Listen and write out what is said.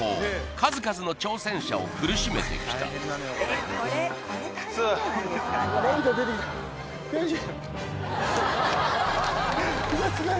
数々の挑戦者を苦しめてきたキツＧＯ！